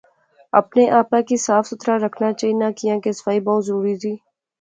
اپنے آپا کی صاف ستھرا رکھنا چاینا کیاں کے صفائی بہوں ضروری زی